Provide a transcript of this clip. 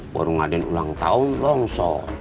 baru ngadain ulang tahun dong so